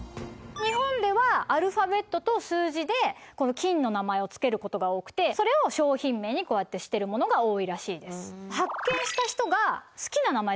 日本ではアルファベットと数字でこの菌の名前を付けることが多くてそれを商品名にしてるものが多いらしいです。